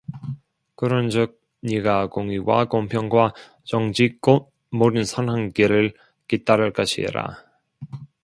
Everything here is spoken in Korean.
그런즉 네가 공의와 공평과 정직 곧 모든 선한 길을 깨달을 것이라